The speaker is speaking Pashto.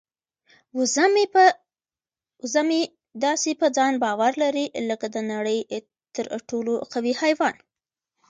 وزه مې داسې په ځان باور لري لکه د نړۍ تر ټولو قوي حیوان.